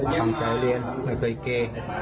ทำตายเรียนไม่เคยเก่